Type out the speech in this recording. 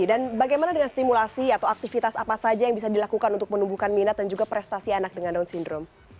dan bagaimana dengan stimulasi atau aktivitas apa saja yang bisa dilakukan untuk menumbuhkan minat dan juga prestasi anak dengan down syndrome